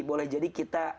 boleh jadi kita